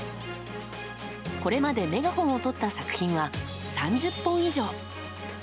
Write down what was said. これまでメガホンをとった作品は３０本以上。